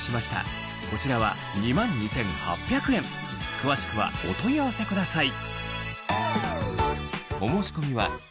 詳しくはお問い合わせください